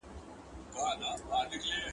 انا هلک په ډېرې غوسې له خونې بهر کړ.